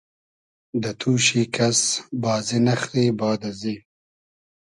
دۂ توشی کئس بازی نئخری باد ازی